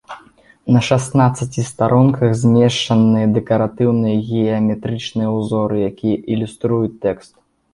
На шаснаццаці старонках змешчаныя дэкаратыўныя геаметрычныя ўзоры, якія ілюструюць тэкст.